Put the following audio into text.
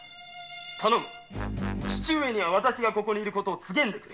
頼む父上には私がここにいる事告げんでくれ。